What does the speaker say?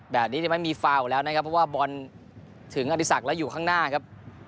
แบบนี้ไม่มีฟาวแล้วนะครับเพราะว่าบอลถึงอดีศักดิ์แล้วอยู่ข้างหน้าครับ